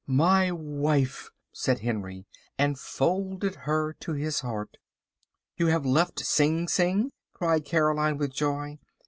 "My wife," said Henry, and folded her to his heart. "You have left Sing Sing?" cried Caroline with joy.